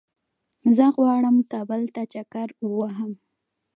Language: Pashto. زه غواړم کابل ته چکر ووهم